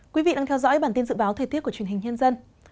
quý vị đang theo dõi bản tin dự báo thời tiết của truyền hình nhân dân